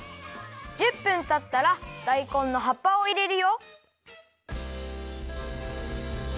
１０分たったらだいこんの葉っぱをいれるよ。